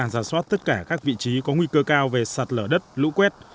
giả soát tất cả các vị trí có nguy cơ cao về sạt lở đất lũ quét